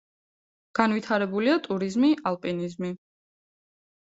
განვითარებულია ტურიზმი, ალპინიზმი.